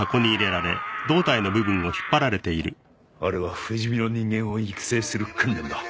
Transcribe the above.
あれは不死身の人間を育成する訓練だ無理！